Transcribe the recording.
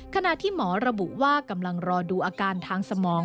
ขณะที่หมอระบุว่ากำลังรอดูอาการทางสมอง